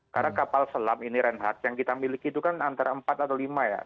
karena kapal selam ini renhard yang kita miliki itu kan antara empat atau lima ya